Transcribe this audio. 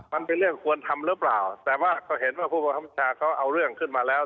มันเป็นเรื่องควรทำหรือเปล่าแต่ว่าก็เห็นว่าผู้บังคับบัญชาเขาเอาเรื่องขึ้นมาแล้ว